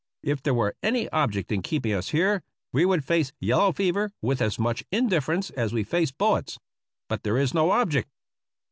If there were any object in 381 APPENDIX C keeping us here, we would face yellow fever with as much indifference as we faced bullets. But there is no object.